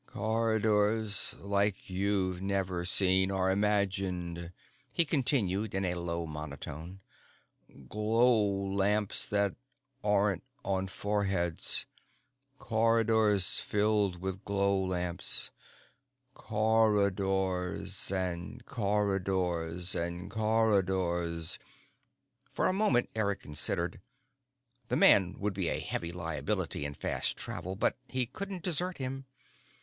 " corridors like you've never seen or imagined," he continued in a low monotone. "Glow lamps that aren't on foreheads. Corridors filled with glow lamps. Corridors and corridors and corridors " For a moment, Eric considered. The man would be a heavy liability in fast travel. But he couldn't desert him.